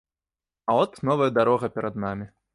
А от новая дарога перад намі.